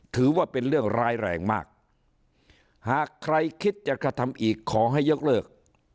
ถือว่าเป็นเรื่องร้ายแรงมากหากใครคิดจะกระทำอีกขอให้ยกเลิก